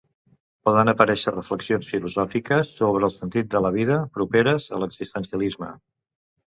Poden aparèixer reflexions filosòfiques sobre el sentit de la vida properes a l'existencialisme.